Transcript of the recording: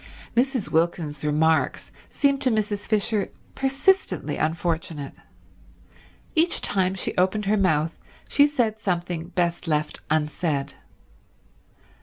Mrs. Wilkins's remarks seemed to Mrs. Fisher persistently unfortunate. Each time she opened her mouth she said something best left unsaid.